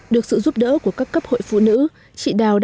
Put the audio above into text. được sự giúp đỡ của các cấp hội phụ nữ